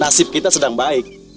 nasib kita sedang baik